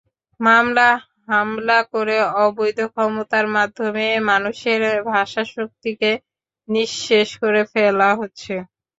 মামলা, হামলা করে অবৈধ ক্ষমতার মাধ্যমে মানুষের ভাষাশক্তিকে নিঃশেষ করে ফেলা হচ্ছে।